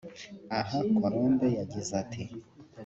Aha Colombe yagize ati